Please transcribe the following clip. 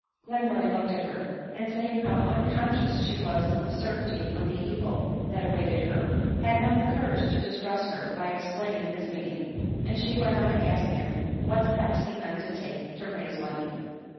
Glenmurray looked at her, and seeing .how unconscious she was of the certainty of the evil that awaited her, had not the courage to distress her by explaining his meaning ; and she went on to ask him what steps he meant to take to raise money.